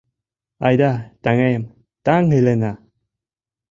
Айда, таҥем, таҥ илена!